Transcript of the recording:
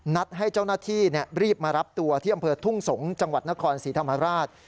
ให้เจ้าหน้าที่รีบมารับตัวที่อำเภอทุ่งสงศ์จังหวัดนครศรีธรรมราช